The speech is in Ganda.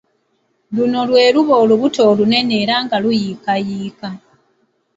Luno lwe lubuto oluba olunene era nga luyiikayiika.